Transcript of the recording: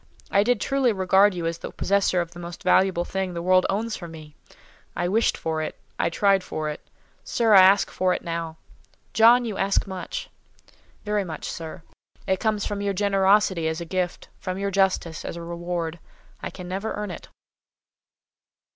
I did truly regard you as the possessor of the most valuable thing the world owns for me. I wished for it: I tried for it. Sir, I ask for it now." "John, you ask much." "Very much, sir. It must come from your generosity, as a gift; from your justice, as a reward. I can never earn it."